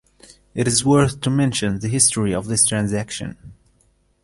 It is worth to mention the history of this transaction.